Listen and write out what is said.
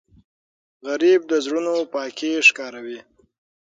غریب د زړونو پاکی ښکاروي